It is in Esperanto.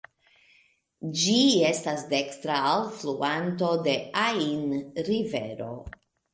Ĝi estas dekstra alfluanto al Ain (rivero).